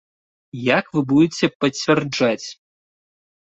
Як вы будзеце пацвярджаць?